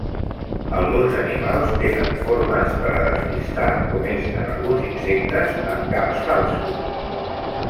Alguns animals tenen formes per a despistar com és en alguns insectes amb caps falsos.